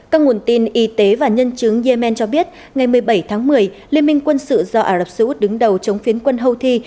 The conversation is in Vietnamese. các nguồn tin y tế và nhân chứng yemen cho biết ngày một mươi bảy tháng một mươi liên minh quân sự do ả rập xê út đứng đầu chống phiến quân houthi